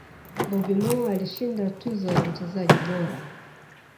bobby Moore alishinda tuzo ya mchezaji bora